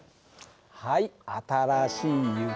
はい新しい浴衣。